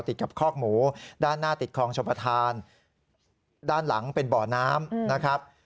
ติดกับคอกหมูด้านหน้าติดคลองชมประธานด้านหลังเป็นบ่อน้ำนะครับ